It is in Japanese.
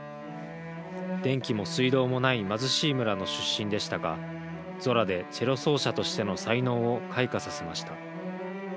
電気も水道もない貧しい村の出身でしたがゾラでチェロ奏者としての才能を開花させました。